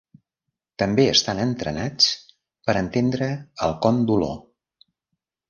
També estan entrenats per entendre el con d'olor.